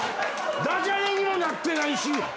ダジャレにもなってないし。